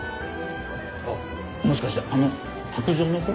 あっもしかしてあの白杖の子？